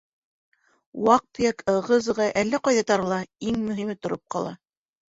Ваҡ- төйәк, ығы-зығы әллә ҡайҙа тарала, иң мөһиме тороп ҡала.